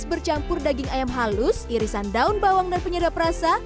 bercampur daging ayam halus irisan daun bawang dan penyedap rasa